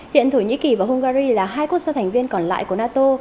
hiện thổ nhĩ kỳ và hungary là hai quốc gia thành viên còn lại của nato